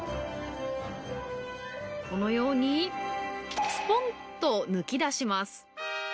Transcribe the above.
このようにスポン！と抜き出します。